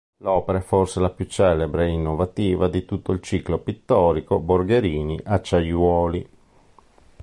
L'opera è forse la più celebre e innovativa di tutto il ciclo pittorico Borgherini-Acciaiuoli.